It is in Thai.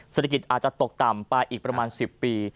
ศติกิจอาจจะตกต่ำปลายอีกประมาณ๑๐ปี